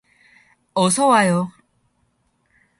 어서 와요.